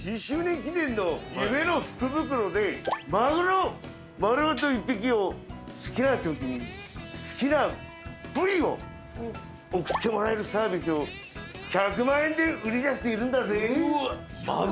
マグロ丸ごと１匹を好きなときに好きな部位を送ってもらえるサービスを１００万円で売り出しているんだぜ。